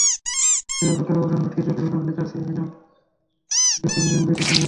সেই অপেক্ষার অবসান ঘটিয়ে চলতি টুর্নামেন্টের চার সেমিফাইনালস্টকে বেছে নিলেন ব্যাটিং কিংবদন্তি।